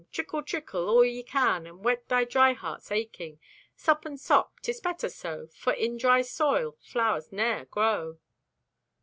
Trickle, trickle, all ye can And wet my dry heart's aching. Sop and sop, 'tis better so, For in dry soil flowers ne'er grow.